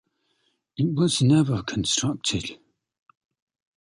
It was never constructed.